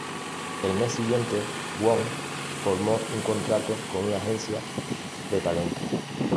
El mes siguiente, Won formó un contrato con una agencia de talentos.